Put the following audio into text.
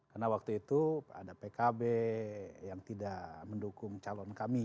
karena waktu itu ada pkb yang tidak mendukung calon kami